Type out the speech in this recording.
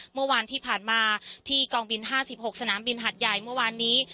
เมื่อวานที่ผ่านมาที่กองบิน๕๖สนามบินหัดใหญ่เมื่อวานนี้